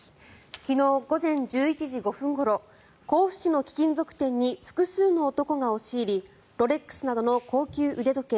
昨日午前１１時５分ごろ甲府市の貴金属店に複数の男が押し入りロレックスなどの高級腕時計